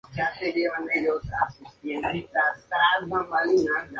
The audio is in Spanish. La antigua colegiata está dedicada a san Severino de Colonia.